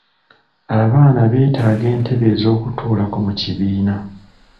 Abaana beetaaga entebe ez'okutuulako mu kibiina.